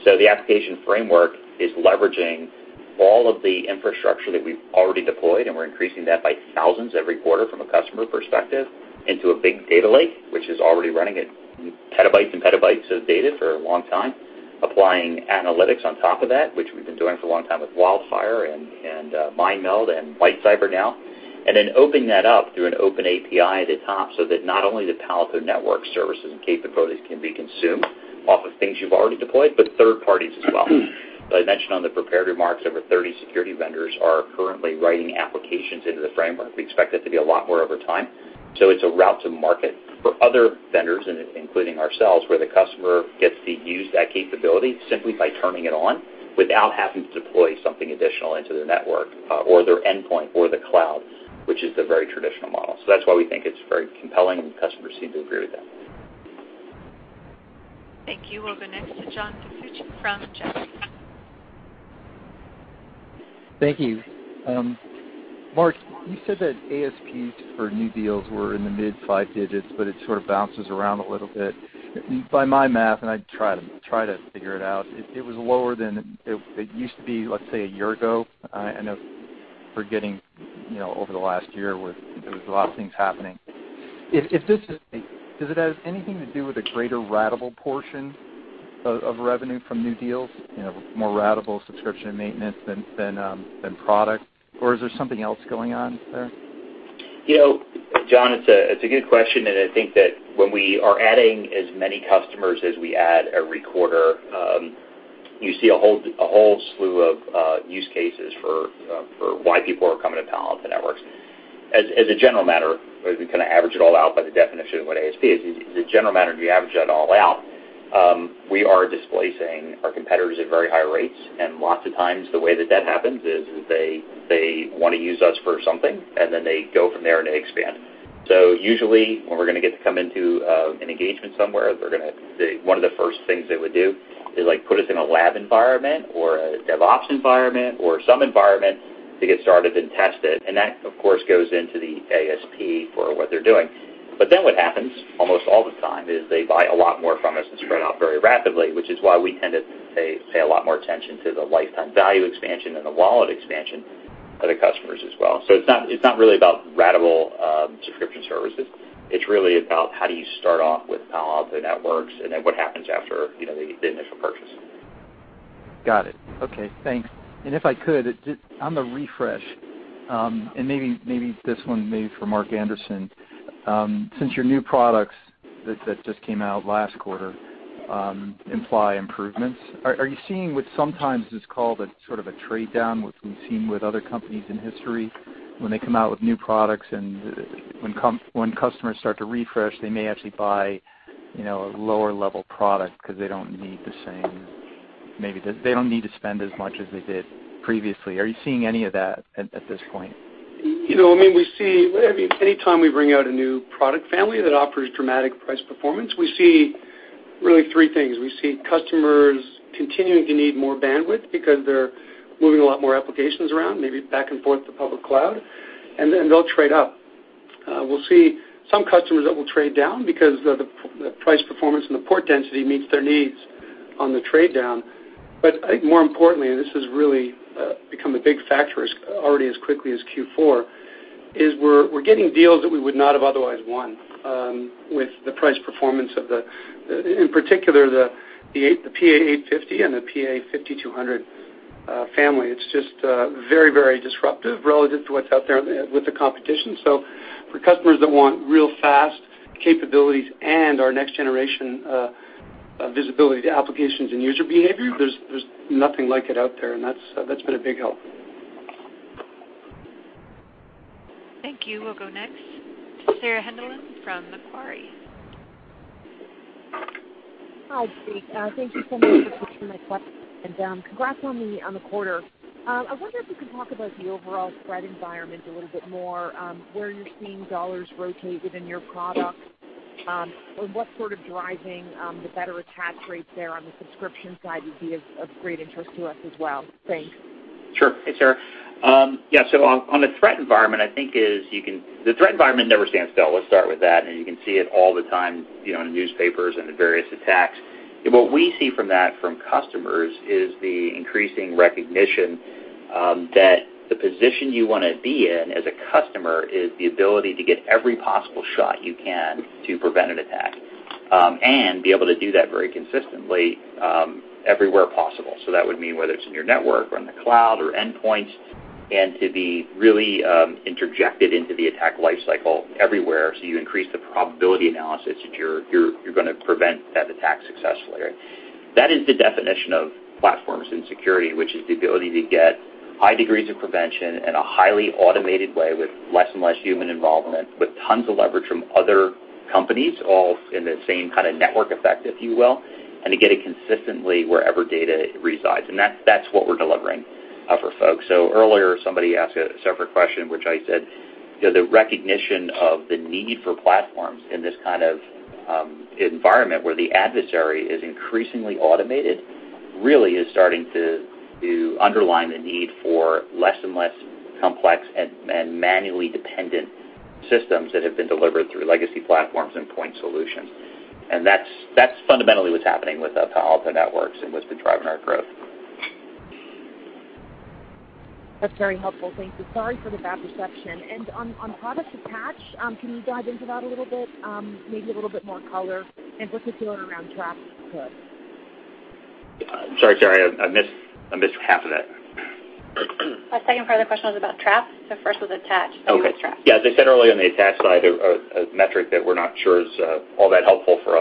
The application framework is leveraging all of the infrastructure that we've already deployed, and we're increasing that by thousands every quarter from a customer perspective into a big data lake, which is already running at petabytes and petabytes of data for a long time, applying analytics on top of that, which we've been doing for a long time with WildFire and MineMeld and LightCyber now, then opening that up through an open API at the top so that not only the Palo Alto Networks services and capabilities can be consumed off of things you've already deployed, but third parties as well. As I mentioned on the prepared remarks, over 30 security vendors are currently writing applications into the framework. We expect it to be a lot more over time. It's a route to market for other vendors, including ourselves, where the customer gets to use that capability simply by turning it on without having to deploy something additional into their network, or their endpoint, or the cloud, which is the very traditional model. That's why we think it's very compelling, and customers seem to agree with that. Thank you. We'll go next to John DiFucci from Jefferies. Thank you. Mark, you said that ASPs for new deals were in the mid five digits, but it sort of bounces around a little bit. By my math, and I try to figure it out, it was lower than it used to be, let's say, a year ago. I know we're getting over the last year where there was a lot of things happening. Does it have anything to do with a greater ratable portion of revenue from new deals, more ratable subscription and maintenance than product, or is there something else going on there? John, it's a good question. I think that when we are adding as many customers as we add every quarter, you see a whole slew of use cases for why people are coming to Palo Alto Networks. As a general matter, we kind of average it all out by the definition of what ASP is. As a general matter, if you average that all out, we are displacing our competitors at very high rates. Lots of times the way that that happens is they want to use us for something, then they go from there and they expand. Usually when we're going to get to come into an engagement somewhere, one of the first things they would do is put us in a lab environment or a DevOps environment or some environment to get started and tested. That, of course, goes into the ASP for what they're doing. What happens almost all the time is they buy a lot more from us and spread out very rapidly, which is why we tend to pay a lot more attention to the lifetime value expansion and the wallet expansion of the customers as well. It's not really about ratable subscription services. It's really about how do you start off with Palo Alto Networks and then what happens after the initial purchase. Got it. Okay, thanks. If I could, on the refresh, and maybe this one may be for Mark Anderson. Since your new products that just came out last quarter imply improvements, are you seeing what sometimes is called a sort of a trade-down, which we've seen with other companies in history when they come out with new products and when customers start to refresh, they may actually buy a lower-level product because they don't need to spend as much as they did previously. Are you seeing any of that at this point? Any time we bring out a new product family that offers dramatic price performance, we see really three things. We see customers continuing to need more bandwidth because they're moving a lot more applications around, maybe back and forth to public cloud, then they'll trade up. We'll see some customers that will trade down because the price performance and the port density meets their needs on the trade down. I think more importantly, and this has really become a big factor already as quickly as Q4, is we're getting deals that we would not have otherwise won with the price performance of the in particular, the PA-850 and the PA-5200 family. It's just very disruptive relative to what's out there with the competition. For customers that want real fast capabilities and our next-generation visibility to applications and user behavior, there's nothing like it out there, and that's been a big help. Thank you. We'll go next to Sarah Hindlian from Macquarie. Hi, Steffan. Thank you so much for taking my question, and congrats on the quarter. I wonder if you could talk about the overall threat environment a little bit more, where you're seeing dollars rotate within your product, and what sort of driving the better attach rates there on the subscription side would be of great interest to us as well. Thanks. Sure. Hey, Sarah. Yeah, on the threat environment, I think the threat environment never stands still. Let's start with that, and you can see it all the time in newspapers and the various attacks. What we see from that from customers is the increasing recognition that the position you want to be in as a customer is the ability to get every possible shot you can to prevent an attack, and be able to do that very consistently everywhere possible. That would mean whether it's in your network or in the cloud or endpoints, and to be really interjected into the attack life cycle everywhere so you increase the probability analysis that you're going to prevent that attack successfully. That is the definition of platforms and security, which is the ability to get high degrees of prevention in a highly automated way with less and less human involvement, with tons of leverage from other companies, all in the same kind of network effect, if you will, and to get it consistently wherever data resides. That's what we're delivering for folks. Earlier, somebody asked a separate question, which I said, the recognition of the need for platforms in this kind of environment where the adversary is increasingly automated, really is starting to underline the need for less and less complex and manually dependent systems that have been delivered through legacy platforms and point solutions. That's fundamentally what's happening with Palo Alto Networks and what's been driving our growth. That's very helpful. Thank you. Sorry for the bad reception. On product attach, can you dive into that a little bit? Maybe a little bit more color, in particular around Traps. Sorry, Saket, I missed half of that. The second part of the question was about Traps. The first was attach, then it was Traps. Okay. Yeah, as I said earlier, on the attach side, a metric that we're not sure is all that helpful for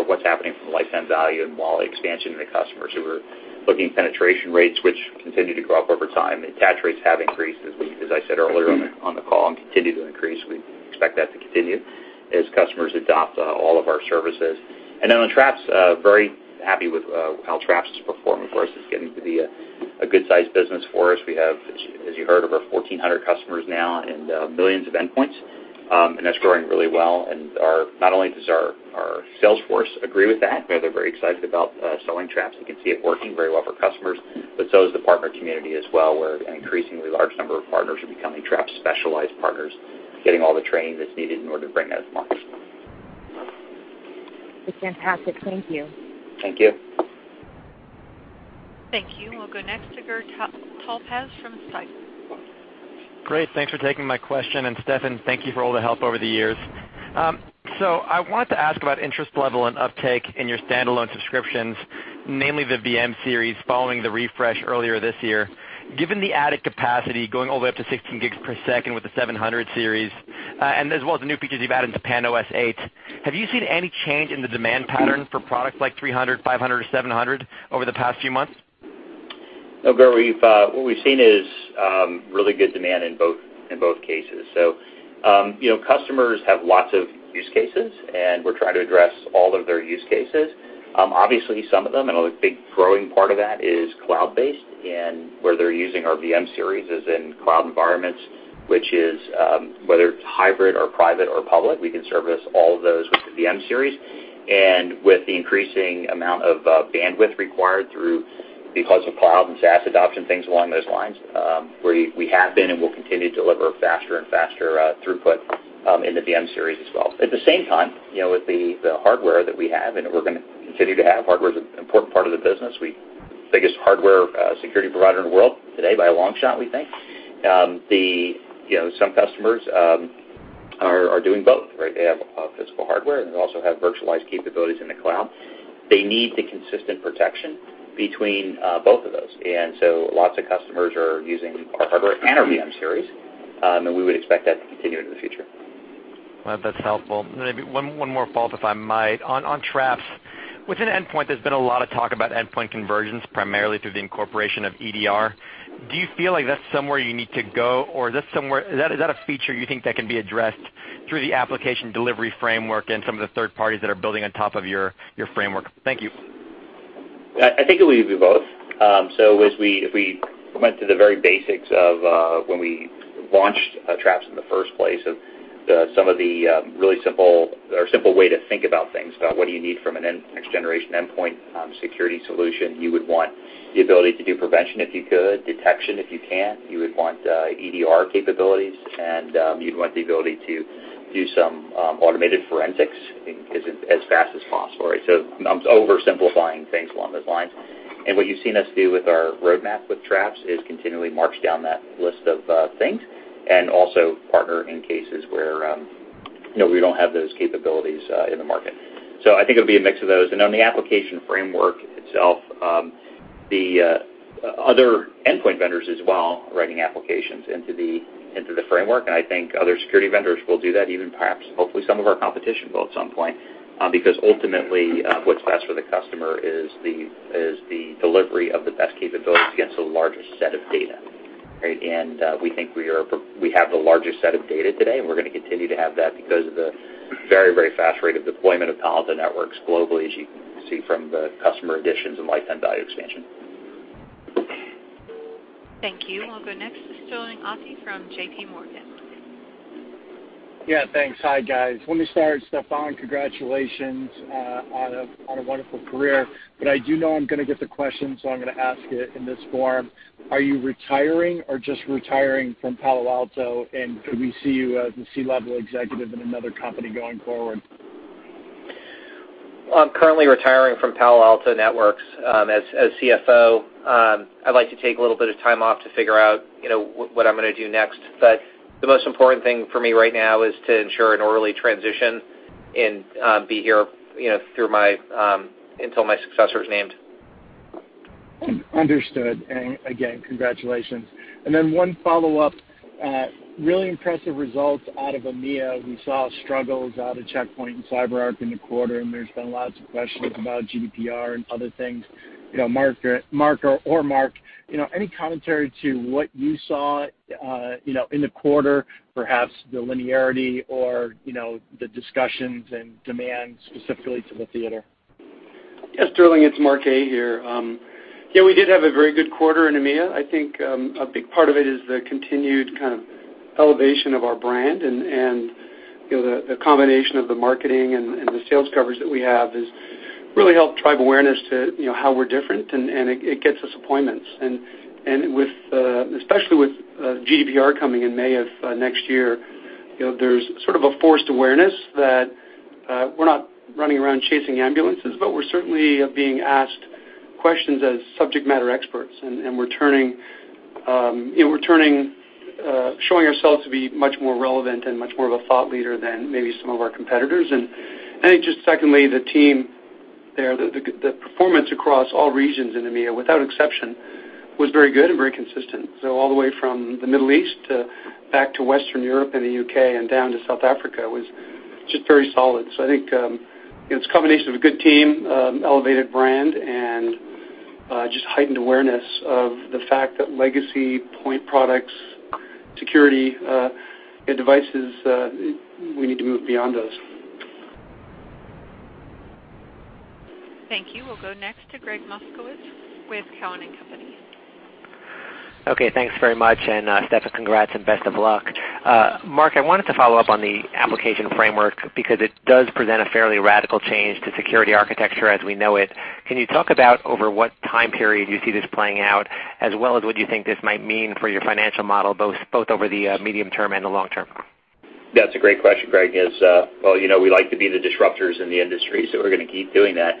what's happening from a license value and wallet expansion in the customers who are looking at penetration rates, which continue to go up over time. Attach rates have increased, as I said earlier on the call, and continue to increase. We expect that to continue as customers adopt all of our services. Then on Traps, very happy with how Traps is performing for us. It's getting to be a good-sized business for us. We have, as you heard, over 1,400 customers now and millions of endpoints, and that's growing really well. Not only does our sales force agree with that, they're very excited about selling Traps and can see it working very well for customers, but so is the partner community as well, where an increasingly large number of partners are becoming Traps specialized partners, getting all the training that's needed in order to bring that to market. That's fantastic. Thank you. Thank you. Thank you. We'll go next to Walter Pritchard from Citi. Great. Thanks for taking my question, and Steffan, thank you for all the help over the years. I wanted to ask about interest level and uptake in your standalone subscriptions, namely the VM-Series, following the refresh earlier this year. Given the added capacity going all the way up to 16 Gbps with the 700 series, and as well as the new features you've added to PAN-OS 8, have you seen any change in the demand pattern for products like 300, 500, or 700 over the past few months? No, Gur, what we've seen is really good demand in both cases. Customers have lots of use cases. We're trying to address all of their use cases. Obviously, some of them, a big growing part of that is cloud-based. Where they're using our VM-Series is in cloud environments, which is whether it's hybrid or private or public, we can service all of those with the VM-Series. With the increasing amount of bandwidth required through because of cloud and SaaS adoption, things along those lines, we have been and will continue to deliver faster and faster throughput in the VM-Series as well. At the same time, with the hardware that we have and we're going to continue to have, hardware is an important part of the business. We are the biggest hardware security provider in the world today by a long shot, we think. Some customers are doing both, right? They have physical hardware, and they also have virtualized capabilities in the cloud. They need the consistent protection between both of those. Lots of customers are using our hardware and our VM-Series, and we would expect that to continue into the future. Well, that's helpful. Maybe one more follow-up, if I might. On Traps, within endpoint, there's been a lot of talk about endpoint conversions, primarily through the incorporation of EDR. Do you feel like that's somewhere you need to go, or is that a feature you think that can be addressed through the application delivery framework and some of the third parties that are building on top of your framework? Thank you. I think it will be both. If we went to the very basics of when we launched Traps in the first place, of some of the really simple way to think about things, about what do you need from a next-generation endpoint security solution, you would want the ability to do prevention if you could, detection if you can't. You would want EDR capabilities, and you'd want the ability to do some automated forensics as fast as possible, right? I'm oversimplifying things along those lines. What you've seen us do with our roadmap with Traps is continually march down that list of things and also partner in cases where we don't have those capabilities in the market. I think it'll be a mix of those. On the application framework itself, the other endpoint vendors as well are writing applications into the framework, and I think other security vendors will do that, even perhaps hopefully some of our competition will at some point. Ultimately, what's best for the customer is the delivery of the best capabilities against the largest set of data, right? We think we have the largest set of data today, and we're going to continue to have that because of the very, very fast rate of deployment of Palo Alto Networks globally, as you can see from the customer additions and lifetime value expansion. Thank you. We'll go next to Sterling Auty from J.P. Morgan. Thanks. Hi, guys. Let me start, Steffan, congratulations on a wonderful career. I do know I'm going to get the question, so I'm going to ask it in this form. Are you retiring or just retiring from Palo Alto? Could we see you as a C-level executive in another company going forward? I'm currently retiring from Palo Alto Networks as CFO. I'd like to take a little bit of time off to figure out what I'm going to do next. The most important thing for me right now is to ensure an orderly transition and be here until my successor is named. Understood, again, congratulations. One follow-up. Really impressive results out of EMEA. We saw struggles out of Check Point and CyberArk in the quarter, there's been lots of questions about GDPR and other things. Mark or Mark, any commentary to what you saw in the quarter, perhaps the linearity or the discussions and demand specifically to the theater? Sterling, it's Mark A here. We did have a very good quarter in EMEA. I think a big part of it is the continued elevation of our brand, the combination of the marketing and the sales coverage that we have has really helped drive awareness to how we're different, it gets us appointments. Especially with GDPR coming in May of next year, there's sort of a forced awareness that we're not running around chasing ambulances, we're certainly being asked questions as subject matter experts, we're showing ourselves to be much more relevant and much more of a thought leader than maybe some of our competitors. I think just secondly, the team there, the performance across all regions in EMEA, without exception, was very good and very consistent. All the way from the Middle East back to Western Europe and the U.K. and down to South Africa was just very solid. I think it's a combination of a good team, elevated brand, and just heightened awareness of the fact that legacy point products, security devices, we need to move beyond those. Thank you. We'll go next to Gregg Moskowitz with Cowen and Company. Okay, thanks very much. Steffan, congrats and best of luck. Mark, I wanted to follow up on the application framework because it does present a fairly radical change to security architecture as we know it. Can you talk about over what time period you see this playing out, as well as what you think this might mean for your financial model, both over the medium term and the long term? That's a great question, Gregg. As well you know, we like to be the disruptors in the industry, so we're going to keep doing that.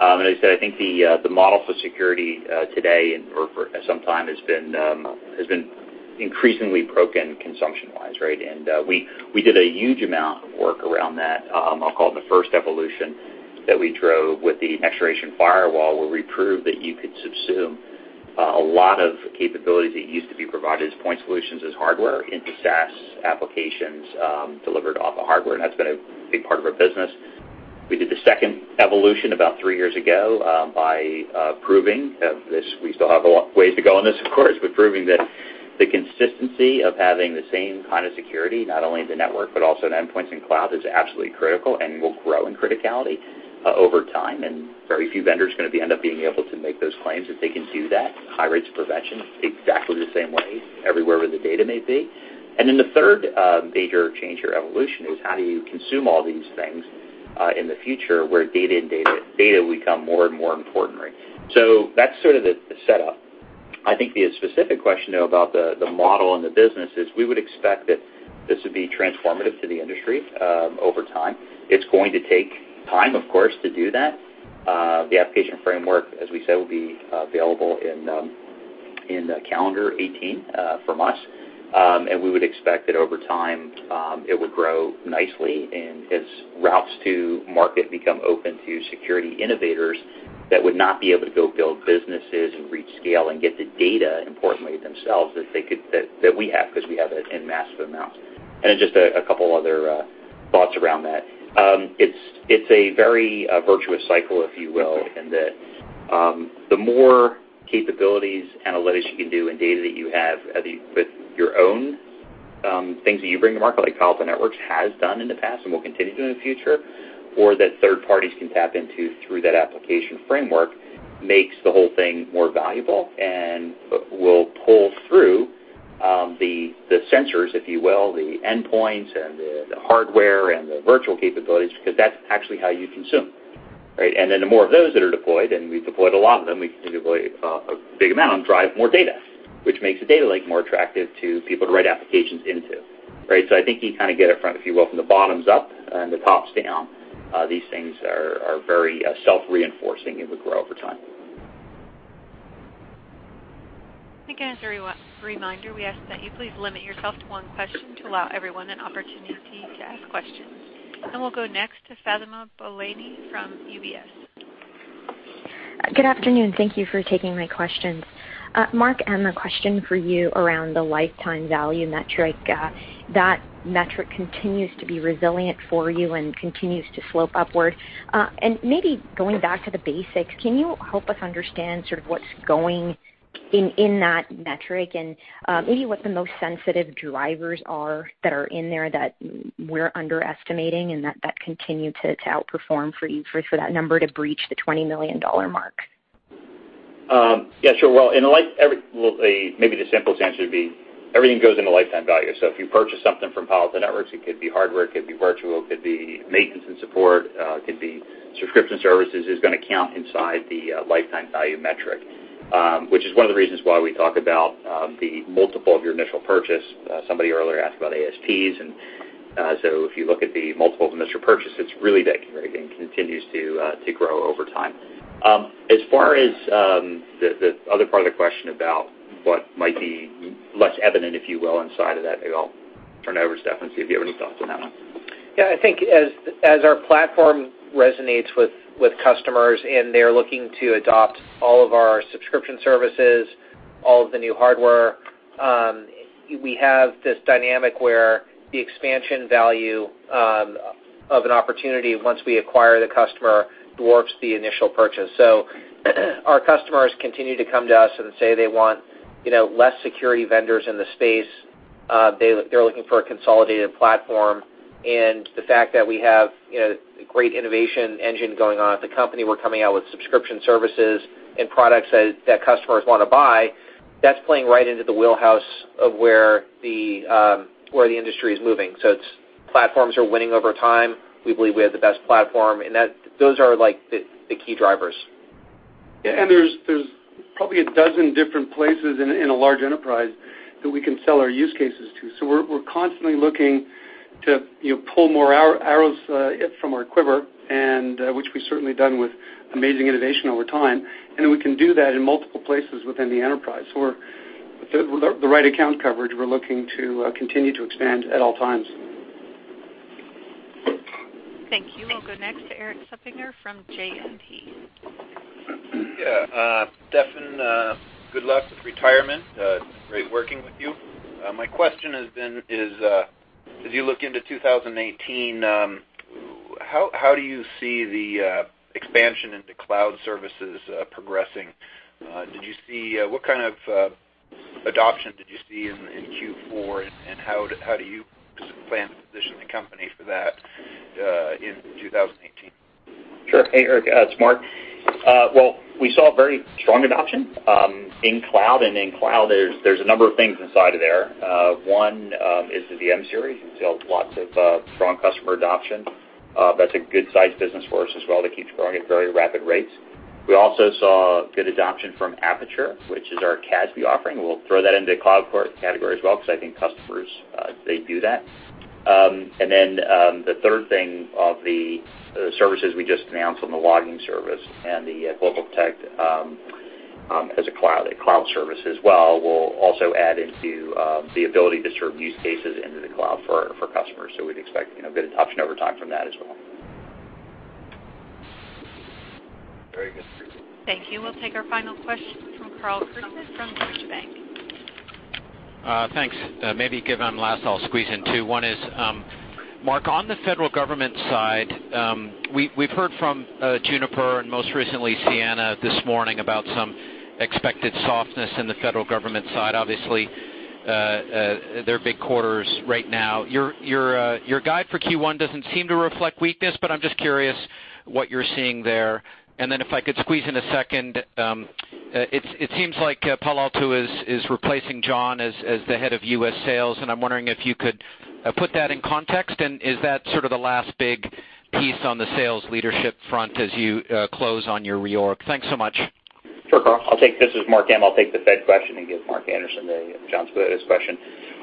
As I said, I think the model for security today or for some time has been increasingly broken consumption-wise, right? We did a huge amount of work around that, I'll call it the first evolution that we drove with the next-generation firewall, where we proved that you could subsume a lot of capabilities that used to be provided as point solutions as hardware into SaaS applications delivered off of hardware, and that's been a big part of our business. We did the second evolution about three years ago by proving this. We still have a lot ways to go on this, of course, but proving that the consistency of having the same kind of security, not only in the network but also in endpoints and cloud, is absolutely critical and will grow in criticality over time. Very few vendors are going to be end up being able to make those claims that they can do that, high rates of prevention, exactly the same way everywhere where the data may be. The third major change or evolution is how do you consume all these things in the future where data and data become more and more important. That's sort of the setup. I think the specific question, though, about the model and the business is we would expect that this would be transformative to the industry over time. It's going to take time, of course, to do that. The application framework, as we said, will be available in calendar 2018 from us. We would expect that over time, it would grow nicely and as routes to market become open to security innovators that would not be able to go build businesses and reach scale and get the data, importantly, themselves that we have because we have it in massive amounts. Just a couple other thoughts around that. It's a very virtuous cycle, if you will, in that the more capabilities, analytics you can do and data that you have with your own things that you bring to market, like Palo Alto Networks has done in the past and will continue to do in the future, or that third parties can tap into through that application framework, makes the whole thing more valuable and will pull through the sensors, if you will, the endpoints and the hardware and the virtual capabilities, because that's actually how you consume, right? The more of those that are deployed, and we've deployed a lot of them, we continue to deploy a big amount, drive more data. Which makes the data lake more attractive to people to write applications into. Right? I think you kind of get it from, if you will, from the bottoms up and the tops down. These things are very self-reinforcing and would grow over time. Again, as a reminder, we ask that you please limit yourself to one question to allow everyone an opportunity to ask questions. We'll go next to Fatema Bolani from UBS. Good afternoon. Thank you for taking my questions. Mark, I have a question for you around the lifetime value metric. That metric continues to be resilient for you and continues to slope upward. Maybe going back to the basics, can you help us understand sort of what's going in that metric and maybe what the most sensitive drivers are that are in there that we're underestimating and that continue to outperform for you for that number to breach the $20 million mark? Yeah, sure. Well, maybe the simplest answer would be everything goes into lifetime value. If you purchase something from Palo Alto Networks, it could be hardware, it could be virtual, it could be maintenance and support, it could be subscription services, is going to count inside the lifetime value metric. Which is one of the reasons why we talk about the multiple of your initial purchase. Somebody earlier asked about ASPs, if you look at the multiple of initial purchase, it's really that and continues to grow over time. As far as the other part of the question about what might be less evident, if you will, inside of that, maybe I'll turn it over to Steffan and see if you have any thoughts on that one. Yeah, I think as our platform resonates with customers and they're looking to adopt all of our subscription services, all of the new hardware, we have this dynamic where the expansion value of an opportunity once we acquire the customer dwarfs the initial purchase. Our customers continue to come to us and say they want less security vendors in the space. They're looking for a consolidated platform. The fact that we have a great innovation engine going on at the company, we're coming out with subscription services and products that customers want to buy, that's playing right into the wheelhouse of where the industry is moving. It's platforms are winning over time. We believe we have the best platform, and those are the key drivers. Yeah, there's probably a dozen different places in a large enterprise that we can sell our use cases to. We're constantly looking to pull more arrows from our quiver, and which we've certainly done with amazing innovation over time. We can do that in multiple places within the enterprise. With the right account coverage, we're looking to continue to expand at all times. Thank you. We'll go next to Erik Suppiger from JMP. Yeah. Steffan, good luck with retirement. Great working with you. My question has been, as you look into 2018, how do you see the expansion into cloud services progressing? What kind of adoption did you see in Q4, and how do you plan to position the company for that in 2018? Sure. Hey, Erik, it's Mark. We saw very strong adoption in cloud, and in cloud, there's a number of things inside of there. One is the VM-Series. We've seen lots of strong customer adoption. That's a good-sized business for us as well that keeps growing at very rapid rates. We also saw good adoption from Aperture, which is our CASB offering. We'll throw that into cloud category as well because I think customers they do that. Then the third thing of the services we just announced on the logging service and the GlobalProtect as a cloud service as well, will also add into the ability to serve use cases into the cloud for customers. We'd expect good adoption over time from that as well. Very good. Thank you. We'll take our final question from Karl Keirstad from Deutsche Bank. Thanks. Maybe given I'm last, I'll squeeze in two. One is, Mark, on the federal government side, we've heard from Juniper and most recently Ciena this morning about some expected softness in the federal government side. Obviously, they're big quarters right now. Your guide for Q1 doesn't seem to reflect weakness, but I'm just curious what you're seeing there. If I could squeeze in a second, it seems like Palo Alto is replacing John as the head of U.S. sales, and I'm wondering if you could put that in context, and is that sort of the last big piece on the sales leadership front as you close on your reorg? Thanks so much. Sure, Karl. This is Mark M. I'll take the Fed question and give Mark Anderson the John Skoudis question.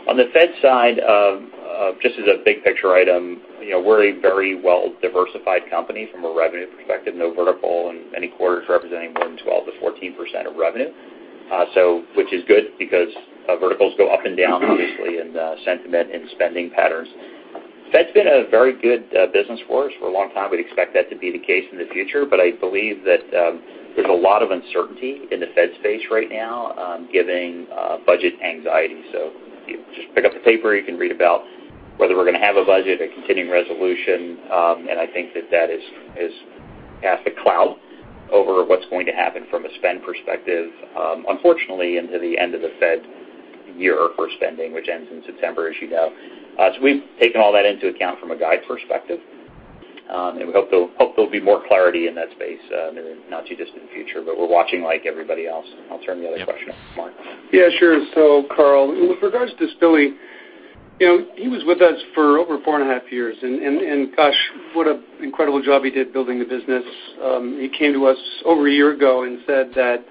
On the Fed side, just as a big picture item, we're a very well-diversified company from a revenue perspective, no vertical and many quarters representing more than 12%-14% of revenue, which is good because verticals go up and down, obviously, in sentiment and spending patterns. Fed's been a very good business for us for a long time. We'd expect that to be the case in the future, but I believe that there's a lot of uncertainty in the Fed space right now, giving budget anxiety. If you just pick up a paper, you can read about whether we're going to have a budget, a continuing resolution, and I think that is cast a cloud over what's going to happen from a spend perspective, unfortunately, into the end of the Fed year for spending, which ends in September, as you know. We've taken all that into account from a guide perspective, and we hope there'll be more clarity in that space in the not too distant future, but we're watching like everybody else. I'll turn the other question to Mark. Yeah, sure. Karl, with regards to Skoudis, he was with us for over four and a half years, gosh, what an incredible job he did building the business. He came to us over a year ago and said that,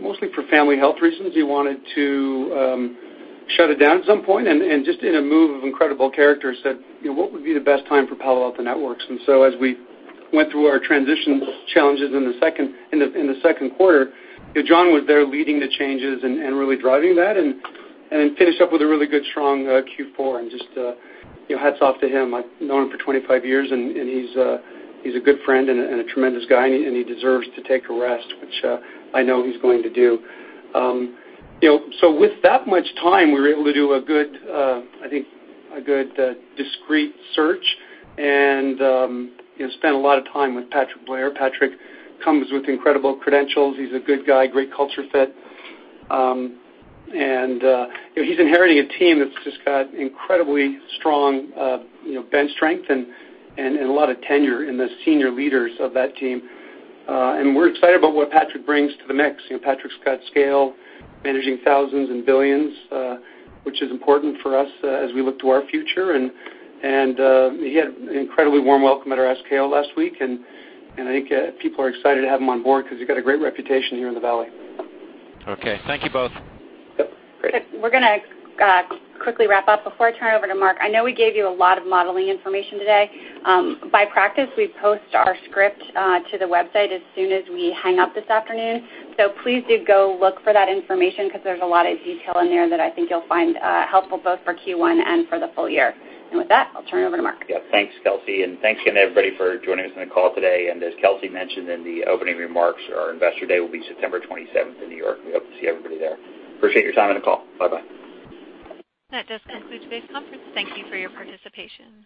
mostly for family health reasons, he wanted to shut it down at some point, just in a move of incredible character, said, "What would be the best time for Palo Alto Networks?" As we went through our transition challenges in the second quarter, John was there leading the changes and really driving that, finished up with a really good strong Q4, just hats off to him. I've known him for 25 years, he's a good friend and a tremendous guy, he deserves to take a rest, which I know he's going to do. With that much time, we were able to do, I think, a good discreet search and spent a lot of time with Patrick Blair. Patrick comes with incredible credentials. He's a good guy, great culture fit. He's inheriting a team that's just got incredibly strong bench strength and a lot of tenure in the senior leaders of that team. We're excited about what Patrick brings to the mix. Patrick's got scale, managing thousands and billions, which is important for us as we look to our future. He had an incredibly warm welcome at our SKO last week, I think people are excited to have him on board because he's got a great reputation here in the Valley. Okay. Thank you both. Yep, great. We're going to quickly wrap up. Before I turn it over to Mark, I know we gave you a lot of modeling information today. By practice, we post our script to the website as soon as we hang up this afternoon, so please do go look for that information because there's a lot of detail in there that I think you'll find helpful both for Q1 and for the full year. With that, I'll turn it over to Mark. Yeah. Thanks, Kelsey, and thanks again, everybody, for joining us on the call today. As Kelsey mentioned in the opening remarks, our Investor Day will be September 27th in New York. We hope to see everybody there. Appreciate your time on the call. Bye-bye. That does conclude today's conference. Thank you for your participation.